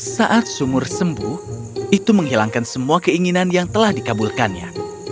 saat sumur sembuh itu menghilangkan semua keinginan yang telah dikabulkannya